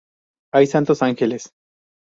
Hay santos ángeles.